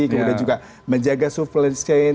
kemudian juga menjaga supply chain